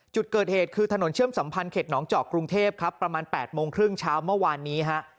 จุดเกิดเหตุคือถนนเชื่อมสัมพันธ์เขตหนองเจาะกรุงเทพครับประมาณ๘โมงครึ่งเช้าเมื่อวานนี้ฮะ